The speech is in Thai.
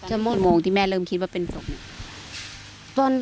ชั่วโมงโมงที่แม่เริ่มคิดว่าเป็นศพ